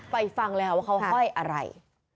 ฟังเลยค่ะว่าเขาห้อยอะไร